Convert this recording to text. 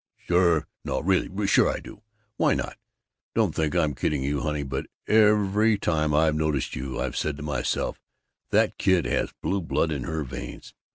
"Sure. No. Really. Sure I do. Why not? Don't think I'm kidding you, honey, but every time I've noticed you I've said to myself, 'That kid has Blue Blood in her veins!